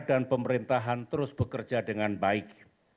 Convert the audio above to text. dan pemerintahan terus bekerja dengan baik